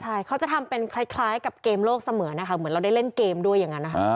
ใช่เขาจะทำเป็นคล้ายกับเกมโลกเสมือนนะคะเหมือนเราได้เล่นเกมด้วยอย่างนั้นนะคะ